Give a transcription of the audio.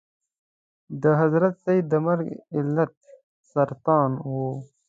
د حضرت سید د مرګ علت سرطان و.